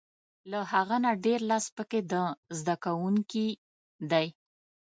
له هغه نه ډېر لاس په کې د زده کوونکي دی.